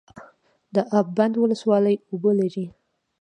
د اب بند ولسوالۍ اوبه لري